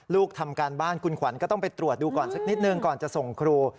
ลูกทำการบ้านคุณขวัญก็ต้องไปตรวจดูก่อนสักนิดนึงก่อนจะส่งครู